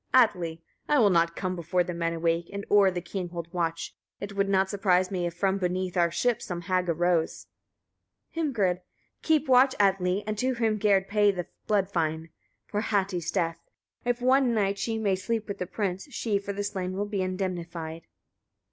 Atli. 23. I will not come before the men awake, and o'er the king hold watch. It would not surprise me, if from beneath our ship some hag arose. Hrimgerd. 24. Keep watch, Atli! and to Hrimgerd pay the blood fine for Hati's death. If one night she may sleep with the prince, she for the slain will be indemnified.